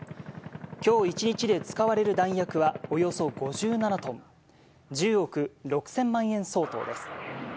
きょう一日で使われる弾薬は、およそ５７トン、１０億６０００万円相当です。